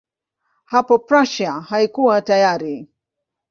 Hapo Prussia haikuwa tayari.